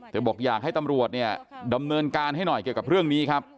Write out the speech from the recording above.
บอกอยากให้ตำรวจเนี่ยดำเนินการให้หน่อยเกี่ยวกับเรื่องนี้ครับ